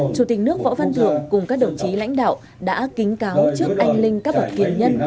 chủ tịch nước võ văn thường cùng các đồng chí lãnh đạo đã kính cáo trước anh linh các bậc tiền nhân